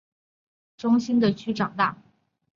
弗格森于斯德哥尔摩市中心的区长大。